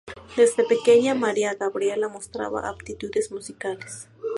Desde pequeña María Gabriela mostraba aptitudes musicales.